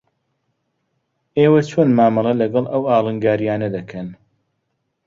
ئێوە چۆن مامەڵە لەگەڵ ئەو ئاڵنگارییانە دەکەن؟